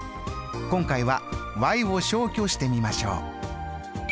今回はを消去してみましょう。